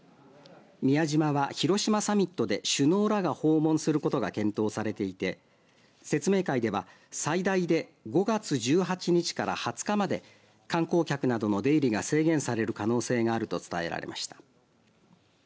宮島は、広島サミットで首脳らが訪問することが検討されていて説明会では、最大で５月１８日から２０日まで観光客などの出入りが制限される可能性があると伝えられました。